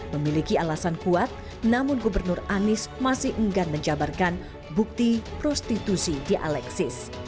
memiliki alasan kuat namun gubernur anies masih enggan menjabarkan bukti prostitusi di alexis